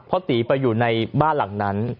เพราะตีไปอยู่ในบ้านหลังนั้น